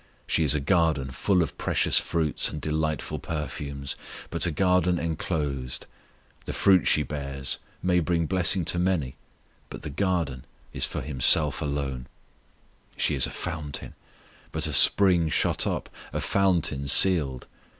She is a garden full of precious fruits and delightful perfumes, but a garden enclosed; the fruit she bears may bring blessing to many, but the garden is for Himself alone; she is a fountain, but a spring shut up, a fountain sealed.